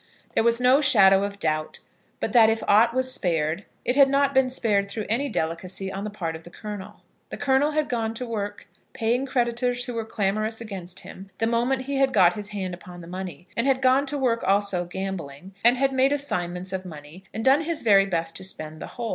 There was no shadow of doubt but that if aught was spared, it had not been spared through any delicacy on the part of the Colonel. The Colonel had gone to work, paying creditors who were clamorous against him, the moment he had got his hand upon the money, and had gone to work also gambling, and had made assignments of money, and done his very best to spend the whole.